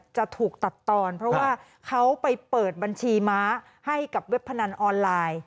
จะถูกตัดตอนเพราะว่าเขาไปเปิดบัญชีม้าให้กับเว็บพนันออนไลน์